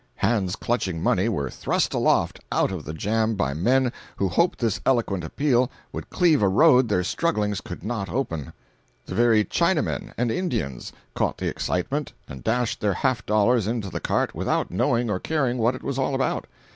Hands clutching money, were thrust aloft out of the jam by men who hoped this eloquent appeal would cleave a road their strugglings could not open. The very Chinamen and Indians caught the excitement and dashed their half dollars into the cart without knowing or caring what it was all about.